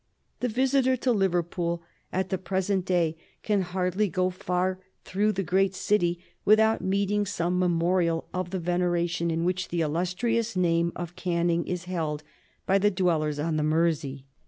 The visitor to Liverpool at the present day can hardly go far through the great city without meeting some memorial of the veneration in which the illustrious name of Canning is held by the dwellers on the Mersey.